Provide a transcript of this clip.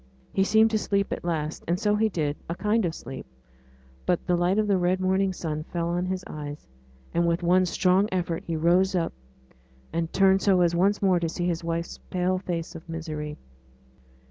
He seemed to sleep at last, and so he did a kind of sleep, but the light of the red morning sun fell on his eyes, and with one strong effort he rose up, and turned so as once more to see his wife's pale face of misery.